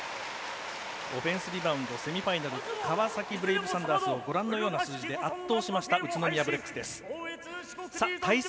オフェンスリバウンドセミファイナル川崎ブレイブサンダースを圧倒した宇都宮ブレックスです。